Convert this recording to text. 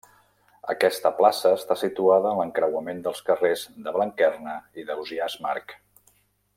Aquesta plaça està situada en l'encreuament dels carrers de Blanquerna i d'Ausiàs March.